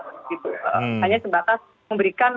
hanya terbatas memberikan